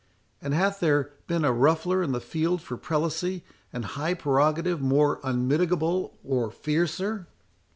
—and hath there been a ruffler in the field for prelacy and high prerogative more unmitigable or fiercer?"